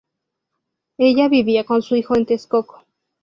Ella vivía con su hijo en Texcoco.